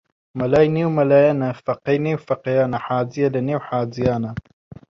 مەلای نێو مەلایانە فەقێی نێو فەقێیانە حاجیە لە نێو حاجیانە